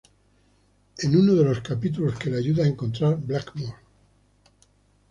En uno de los capítulos, que le ayuda a encontrar Blackmore.